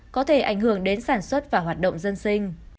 có thể ảnh hưởng đến sản xuất và hoạt động dân sinh